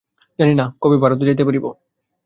জানি না, কবে ভারতে যাইতে পারিব।